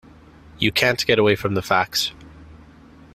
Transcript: You can't get away from the facts.